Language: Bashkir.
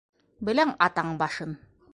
Беләң атаң башын!